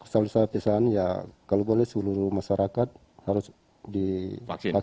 selalu saya pesan ya kalau boleh seluruh masyarakat harus dikatakan